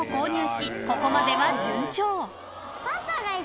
ここまでは順調］